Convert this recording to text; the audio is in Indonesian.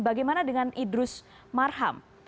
bagaimana dengan idrus marham